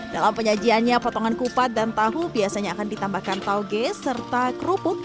dalam penyajiannya potongan kupat dan tahu biasanya akan ditambahkan tauge serta kerupuk